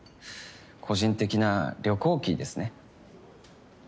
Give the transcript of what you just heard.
個人的な旅行記ですね。